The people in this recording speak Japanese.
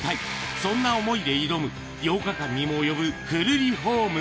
そんな想いで挑む８日間にも及ぶフルリフォーム。